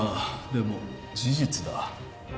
でも事実だ。